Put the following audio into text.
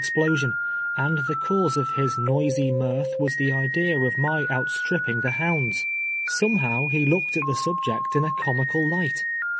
\i>losi«in, and tlie cause of his noisy mirth was the idea of my outstrI])pin<^ tlie hounds. Somehow, he looked at the subject in a comical light.